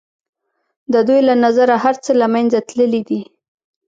د دوی له نظره هر څه له منځه تللي دي.